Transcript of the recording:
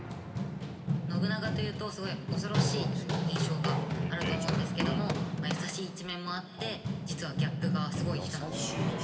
信長というとすごい恐ろしいという印象があると思うんですけども優しい一面もあって実はギャップがすごい人なんですよね。